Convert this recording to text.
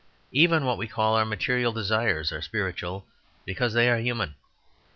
Even what we call our material desires are spiritual, because they are human.